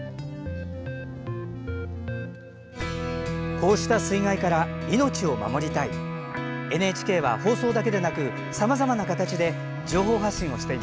こうした水害から命を守りたい。